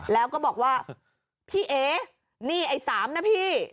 แล้วก็บอกว่าพี่เอ๋นี่ไอ้๓นะพี่